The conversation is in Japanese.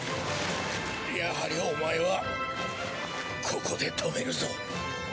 やはりお前はここで止めるぞ。